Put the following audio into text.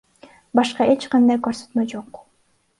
Башка эч кандай көрсөтмө жок.